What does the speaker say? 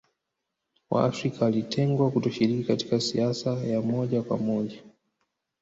Waafrika walitengwa kutoshiriki katika siasa ya moja kwa moja